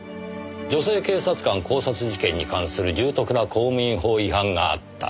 「女性警察官絞殺事件に関する重篤な公務員法違反があった」